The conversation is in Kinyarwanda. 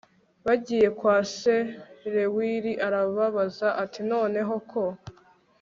Bagiye kwa se Reweli arababaza ati Noneho ko